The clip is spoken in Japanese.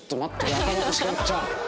頭おかしくなっちゃう！